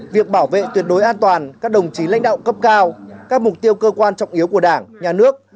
việc bảo vệ tuyệt đối an toàn các đồng chí lãnh đạo cấp cao các mục tiêu cơ quan trọng yếu của đảng nhà nước